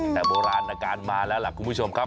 แต่โบราณอาการมาแล้วล่ะคุณผู้ชมครับ